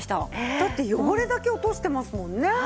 だって汚れだけ落としてますもんね。